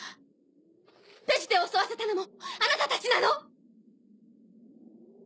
ペジテを襲わせたのもあなたたちなの？